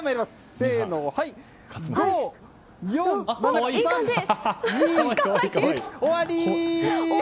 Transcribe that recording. せーの、５、４、３、２、１終わり！